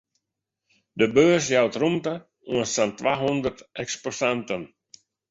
De beurs jout rûmte oan sa'n twahûndert eksposanten.